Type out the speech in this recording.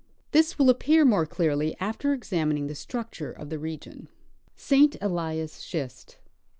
This Avill appear more clearly after examining the structure of the region. St. Elias Schist.